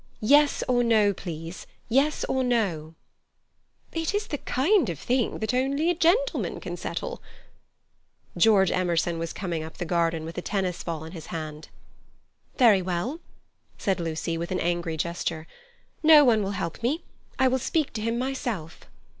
"Yes or no, please; yes or no." "It is the kind of thing that only a gentleman can settle." George Emerson was coming up the garden with a tennis ball in his hand. "Very well," said Lucy, with an angry gesture. "No one will help me. I will speak to him myself."